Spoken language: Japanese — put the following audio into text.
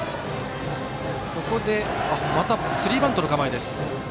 ここでまたスリーバントの構え。